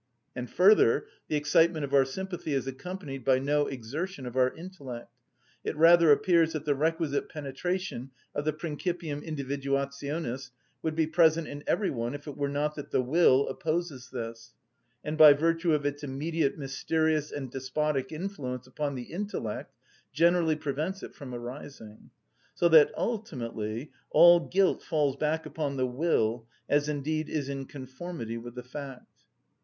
And further, the excitement of our sympathy is accompanied by no exertion of our intellect. It rather appears that the requisite penetration of the principium individuationis would be present in every one if it were not that the will opposes this, and by virtue of its immediate mysterious and despotic influence upon the intellect generally prevents it from arising; so that ultimately all guilt falls back upon the will, as indeed is in conformity with the fact.